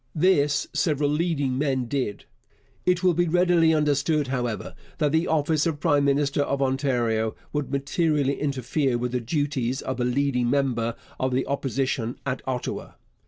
This several leading men did. It will be readily understood, however, that the office of prime minister of Ontario would materially interfere with the duties of a leading member of the Opposition at Ottawa.